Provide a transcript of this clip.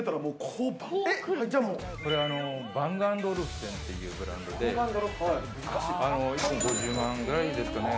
これはバング＆オルフセンっていうブランドで、一本５０万円ぐらいですかね。